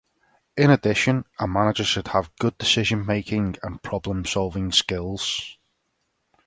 In addition, a manager should have good decision-making and problem-solving skills.